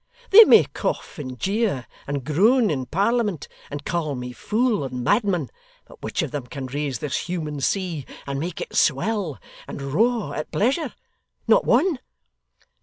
They may cough and jeer, and groan in Parliament, and call me fool and madman, but which of them can raise this human sea and make it swell and roar at pleasure? Not one.